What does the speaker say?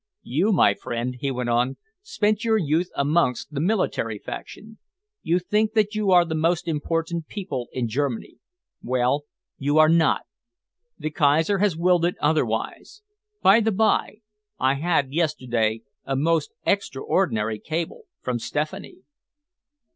You, my friend," he went on, "spent your youth amongst the military faction. You think that you are the most important people in Germany. Well, you are not. The Kaiser has willed it otherwise. By the by, I had yesterday a most extraordinary cable from Stephanie."